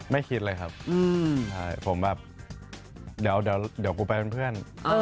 ไม่คิดเลยครับผมแบบเดี๋ยวกูไปเป็นเพื่อน